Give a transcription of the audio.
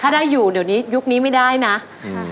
ถ้าได้อยู่เดี๋ยวนี้ยุคนี้ไม่ได้นะค่ะ